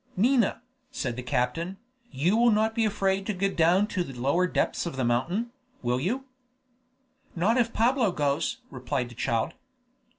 "Nina," said the captain, "you will not be afraid to go down to the lower depths of the mountain, will you?" "Not if Pablo goes," replied the child.